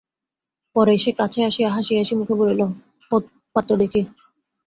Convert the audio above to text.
পরে সে কাছে আসিয়া হাসি-হাসি মুখে বলিল, হোত পাত দেখি!